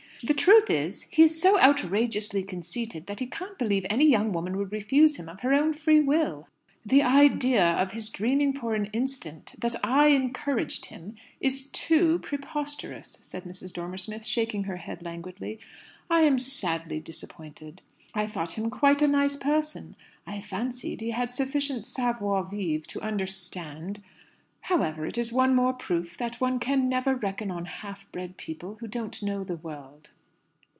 The truth is, he is so outrageously conceited that he can't believe any young woman would refuse him of her own free will." "The idea of his dreaming for an instant that I encouraged him is too preposterous," said Mrs. Dormer Smith, shaking her head languidly. "I am sadly disappointed. I thought him quite a nice person. I fancied he had sufficient savoir vivre to understand However, it is one more proof that one can never reckon on half bred people who don't know the world."